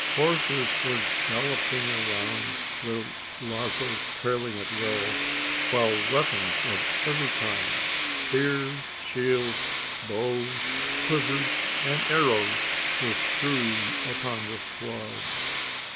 Horses were galloping around, their lazos trailing at will; while weapons of every kind spears, shields, bows, quivers, and arrows were strewed over the sward.